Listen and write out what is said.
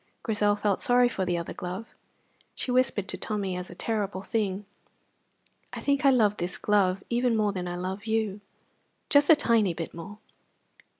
Grizel felt sorry for the other glove. She whispered to Tommy as a terrible thing, "I think I love this glove even more than I love you just a tiny bit more."